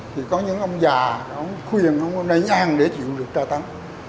thì có những ông già khuyên ông này ăn để chịu được tra tấn